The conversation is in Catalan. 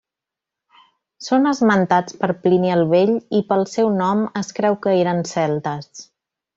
Són esmentats per Plini el Vell i pel seu nom es creu que eren celtes.